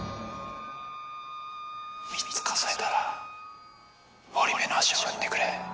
３つ数えたら堀部の足を踏んでくれ。